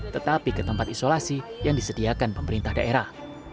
tetapi ke tempat isolasi yang disediakan pemerintah daerah